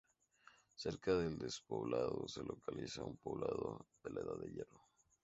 Cerca del despoblado se localiza un poblado de la Edad del Hierro.